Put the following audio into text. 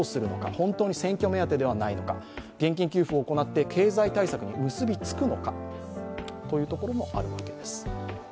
本当に選挙目当てではないのか、現金給付を行って経済対策に結びつくのかというところもあるわけです。